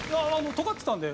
とがってたんで。